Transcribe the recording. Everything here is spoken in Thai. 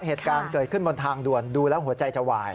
เหตุการณ์เกิดขึ้นบนทางด่วนดูแล้วหัวใจจะวาย